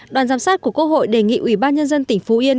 đoàn giám sát của quốc hội đề nghị ủy ban nhân dân tỉnh phú yên